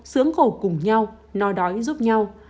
sướng khổ cùng nhau no đói giúp nhau